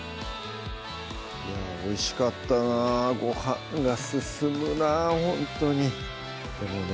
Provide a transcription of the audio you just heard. いやぁおいしかったなごはんが進むなほんとにでもね